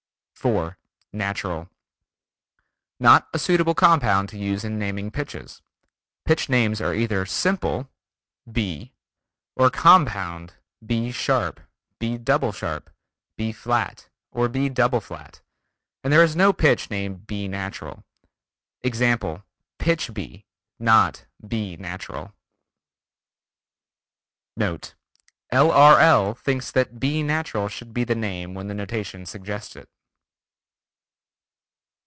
4. Natural: Not a suitable compound to use in naming pitches. Pitch names are either simple: B, or compound: B sharp, B double sharp, B flat or B double flat, and there is no pitch named "B natural." Example: Pitch B, not "B natural." NOTE: L.R.L. thinks that B natural should be the name when the notation suggests it.